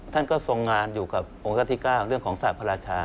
ท่านก็ทรงงานอยู่กับองค์การที่๙เรื่องของศาสตร์พระราชา